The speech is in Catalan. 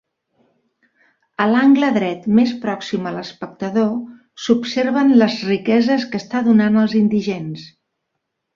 A l'angle dret més pròxim a l'espectador, s'observen les riqueses que està donant als indigents.